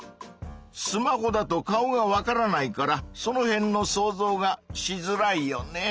スマホだと顔がわからないからそのへんの想像がしづらいよね。